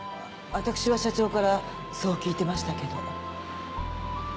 私は社長からそう聞いてましたけど。